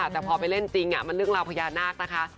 แต่พอไปเล่นจริงมันเรื่องราวพญานาคนะคะ